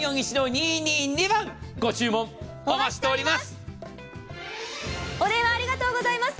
ご注文お待ちしております！